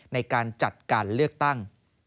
ในการจัดการเลือกตั้ง